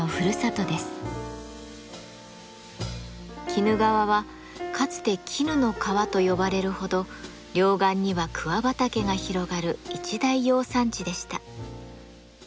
鬼怒川はかつて絹の川と呼ばれるほど両岸には桑畑が広がる一大養蚕地でした。